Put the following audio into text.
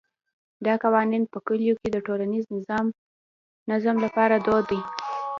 دا قوانین په کلیو کې د ټولنیز نظم لپاره دود دي.